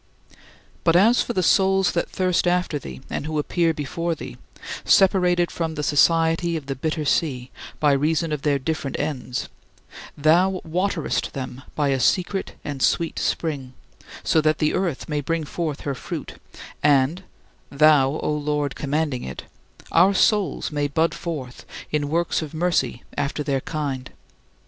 21. But as for the souls that thirst after thee and who appear before thee separated from "the society of the [bitter] sea" by reason of their different ends thou waterest them by a secret and sweet spring, so that "the earth" may bring forth her fruit and thou, O Lord, commanding it our souls may bud forth in works of mercy after their kind.